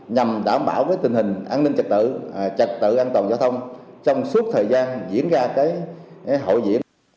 nhằm đảm bảo tình hình an ninh trật tự trật tự an toàn giao thông trong suốt thời gian diễn ra hội diễn